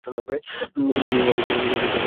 কুমু কিছু না বলে দাদার মুখের দিকে চেয়ে রইল।